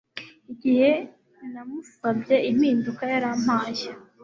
Igihe namusabye impinduka yarampaye